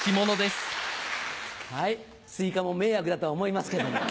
はいスイカも迷惑だとは思いますけれども。